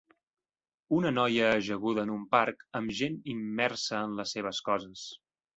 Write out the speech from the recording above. Una noia ajaguda en un parc amb gent immersa en les seves coses.